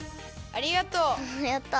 ありがとう。